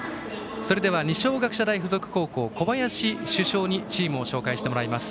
それでは二松学舎大付属高校小林主将にチームを紹介してもらいます。